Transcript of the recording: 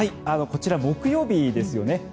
こちら、木曜日ですよね。